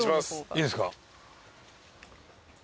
いいですか？